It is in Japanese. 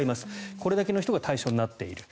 これだけの人が対象になっている。